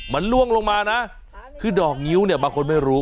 มันล่วงลงมานะคือดอกงิ้วเนี่ยบางคนไม่รู้